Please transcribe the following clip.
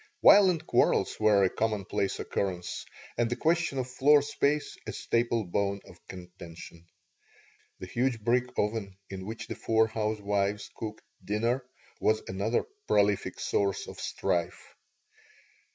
Violent quarrels were a commonplace occurrence, and the question of floor space a staple bone of contention. The huge brick oven in which the four housewives cooked dinner was another prolific source of strife.